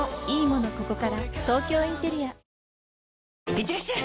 いってらっしゃい！